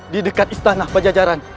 di dekat istana pajajaran